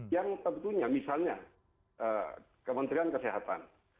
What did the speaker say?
yang tentunya misalnya kementerian kesehatan